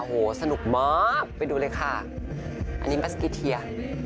โห้สนุกมากอันนี้มัสกิเทีย